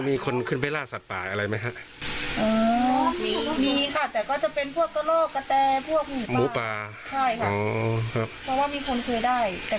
ใช่ค่ะเพราะว่ามีคนเคยได้แต่ก็ไม่ได้บ่อยค่ะ